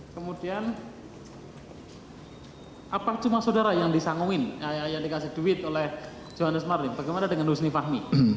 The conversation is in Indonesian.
kemudian apa cuma saudara yang disanguin yang dikasih duit oleh johannes marlim bagaimana dengan husni fahmi